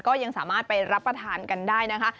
ก็ยังสามารถไปรับประทานกันได้นะคะ